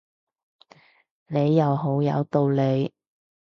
你又好有道理